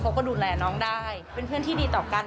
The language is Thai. เขาก็ดูแลน้องได้เป็นเพื่อนที่ดีต่อกัน